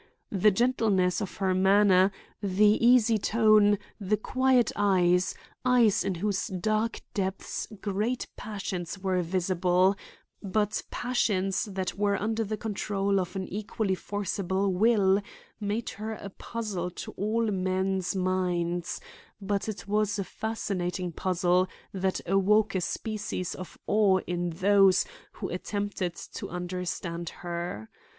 The gentleness of her manner, the easy tone, the quiet eyes, eyes in whose dark depths great passions were visible, but passions that were under the control of an equally forcible will, made her a puzzle to all men's minds; but it was a fascinating puzzle that awoke a species of awe in those who attempted to understand her.